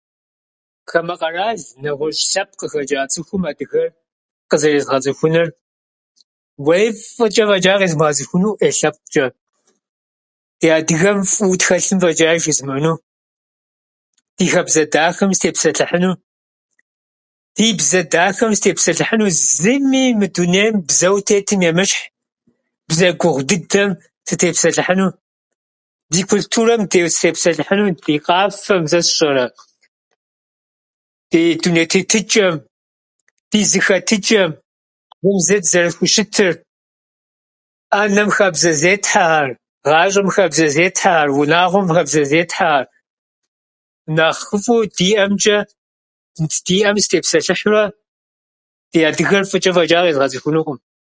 Хамэ къэрал, нэгъуэщӏ лъэпкъым къыхэчӏа цӏыхум адыгэр къызэрезгъэцӏыхуныр, уей фӏычӏэ фӏэчӏэ къезмыгъэцӏыхуну ӏей лъэпкъчӏэ. Ди адыгэм фӏыуэ тхэлъым фӏэчӏаи жызмыӏэну. Ди хабзэ дахэм сытепсэлъыхьыну, ди бзэ дахэм сытепсэлъыхьыну. Зыми мы дунейм бзэуэ тетым емыщхь бзэ гугъу дыдэм сытепсэлъыхьыну, ди культурэм сытепсэлъыхьыну, ди къафэм, сэ сщӏэрэ, ди дуней тетычӏэм, ди зэхэтычӏэм, [unintelligible] дызэрызэхущытыр, ӏэнэм хабзэ зетхьэхьэр, гъащӏэм хабзэ зетхьэхьэр, унагъуэм хабзэ зетхьэхьэр. Нэхъыфӏу диӏэмчӏэ диӏэм сытепсэлъыхьурэ ди адыгэр фӏычӏэ фӏэчӏа къезгъэцӏыхунукъым.